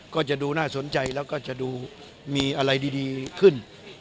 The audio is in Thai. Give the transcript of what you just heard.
ก็จะดูน่าสนใจแล้วก็จะดูมีอะไรดีขึ้น